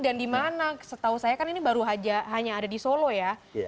dan dimana setahu saya kan ini baru hanya ada di solo ya